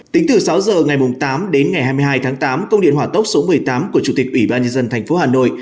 tính từ sáu giờ ngày tám đến ngày hai mươi hai tháng tám công điện hỏa tốc số một mươi tám của chủ tịch ủy ban nhân dân tp hà nội